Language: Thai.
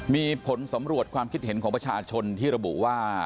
มีผลสำรวจความคิดเห็นของประชาชนที่ระบุว่า